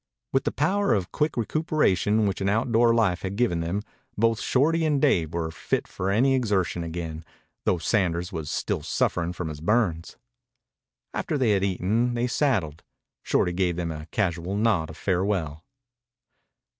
With the power of quick recuperation which an outdoor life had given them, both Shorty and Dave were fit for any exertion again, though Sanders was still suffering from his burns. After they had eaten they saddled. Shorty gave them a casual nod of farewell.